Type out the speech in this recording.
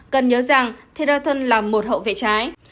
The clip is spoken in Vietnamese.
cần nhớ rằng theraton là một hậu vệ trái